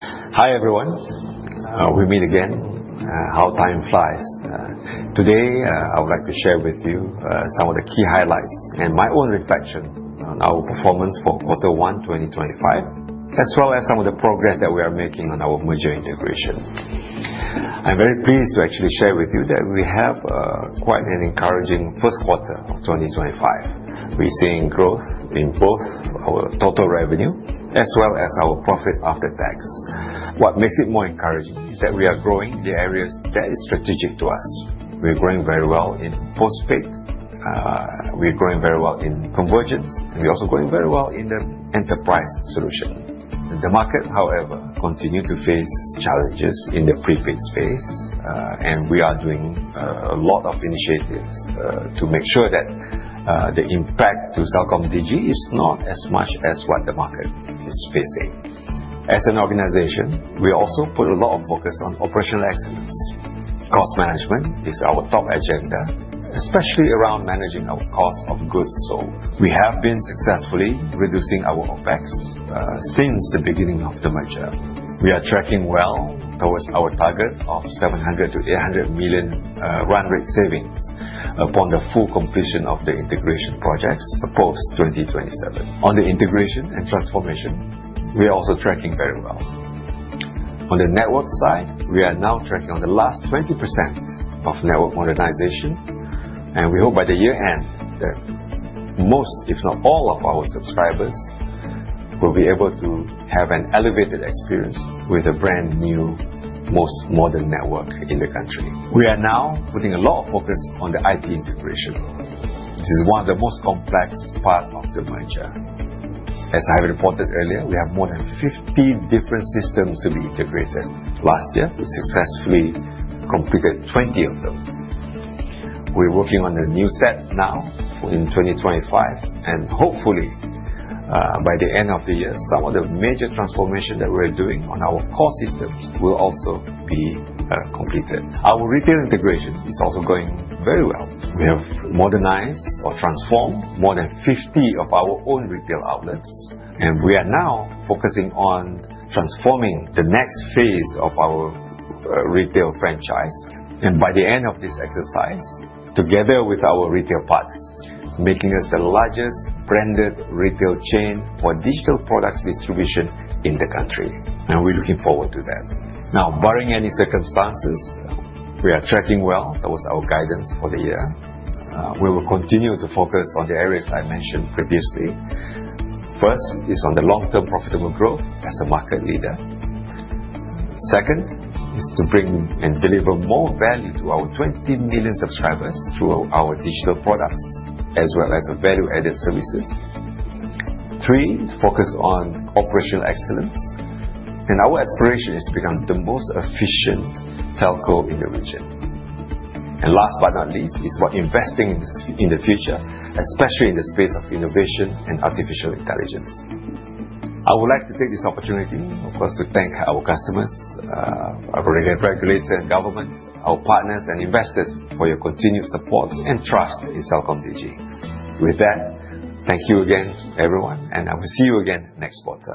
Hi everyone, we meet again, how time flies. Today I would like to share with you some of the key highlights and my own reflection on our performance for Q1 2025, as well as some of the progress that we are making on our merger integration. I'm very pleased to actually share with you that we have quite an encouraging first quarter of 2025. We're seeing growth in both our total revenue as well as our profit after tax. What makes it more encouraging is that we are growing in the areas that are strategic to us. We're growing very well in postpaid, we're growing very well in convergence, and we're also growing very well in the enterprise solution. The market, however, continues to face challenges in the prepaid space, and we are doing a lot of initiatives to make sure that the impact to CelcomDigi is not as much as what the market is facing. As an organization, we also put a lot of focus on operational excellence. Cost management is our top agenda, especially around managing our cost of goods. We have been successfully reducing our OpEx since the beginning of the merger. We are tracking well towards our target of $700 million-$800 million run rate savings upon the full completion of the integration projects post-2027. On the integration and transformation, we are also tracking very well. On the network side, we are now tracking on the last 20% of network modernization, and we hope by the year end that most, if not all, of our subscribers will be able to have an elevated experience with a brand new, most modern network in the country. We are now putting a lot of focus on the IT integration. This is one of the most complex parts of the merger. As I have reported earlier, we have more than 50 different systems to be integrated. Last year, we successfully completed 20 of them. We're working on a new set now in 2025, and hopefully by the end of the year, some of the major transformations that we're doing on our core systems will also be completed. Our retail integration is also going very well. We have modernized or transformed more than 50 of our own retail outlets, and we are now focusing on transforming the next phase of our retail franchise. By the end of this exercise, together with our retail partners, making us the largest branded retail chain for digital products distribution in the country. We are looking forward to that. Now, barring any circumstances, we are tracking well. That was our guidance for the year. We will continue to focus on the areas I mentioned previously. First is on the long-term profitable growth as a market leader. Second is to bring and deliver more value to our 20 million subscribers through our digital products as well as value-added services. Three, focus on operational excellence, and our aspiration is to become the most efficient telco in the region. Last but not least is about investing in the future, especially in the space of innovation and artificial intelligence. I would like to take this opportunity, of course, to thank our customers, our regulatory government, our partners, and investors for your continued support and trust in CelcomDigi. With that, thank you again, everyone, and I will see you again next quarter.